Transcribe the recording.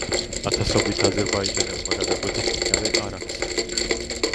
ათასობით აზერბაიჯანელმა გადაკვეთა მდინარე არაქსი.